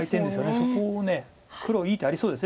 そこを黒いい手ありそうです。